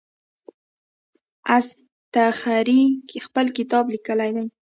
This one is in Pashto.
اصطخري خپل کتاب لیکلی دی.